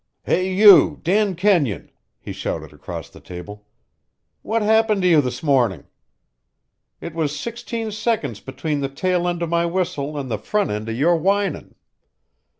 "Hey, you, Dan Kenyon," he shouted across the table, "what happened to you this mornin'? It was sixteen seconds between the tail end o' my whistle an' the front end o' your whinin'.